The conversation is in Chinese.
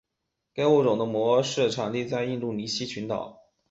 该物种的模式产地在西印度群岛。